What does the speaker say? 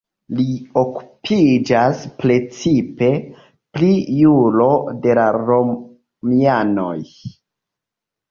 Li okupiĝas precipe pri juro de la romianoj.